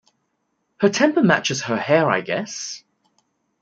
Her temper matches her hair I guess.